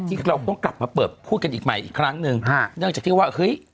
ที่เราต้องกลับมาเปิดพูดกันอีกใหม่อีกครั้งหนึ่งฮะเนื่องจากที่ว่าเฮ้ย